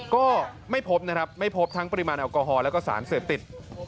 ก็ไม่พบนะครับไม่พบทั้งปริมาณแอลกอฮอลแล้วก็สารเสพติด